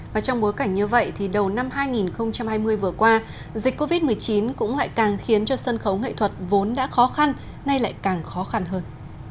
và trong bối cảnh như vậy thì đầu năm hai nghìn hai mươi vừa qua dịch covid một mươi chín cũng lại càng khiến cho sân khấu nghệ thuật vốn đã khó khăn nay lại càng khó khăn hơn